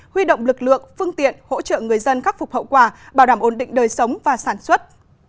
huy động lực lượng phương tiện hỗ trợ người dân khắc phục hậu quả bảo đảm ổn định đời sống và sản xuất